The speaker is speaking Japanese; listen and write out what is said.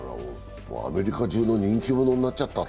アメリカ中の人気者になっちゃったと。